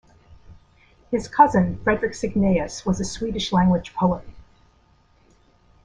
His cousin, Fredrik Cygnaeus, was a Swedish-language poet.